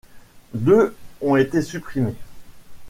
Deux ont été supprimés.